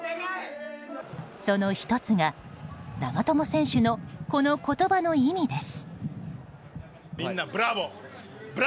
その１つが、長友選手のこの言葉の意味です。